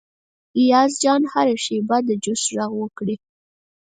ایاز جان هره شیبه د جوسو غږ وکړي.